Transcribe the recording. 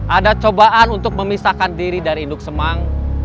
ada cobaan untuk memisahkan diri dari induk semang